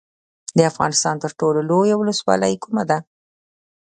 د افغانستان تر ټولو لویه ولسوالۍ کومه ده؟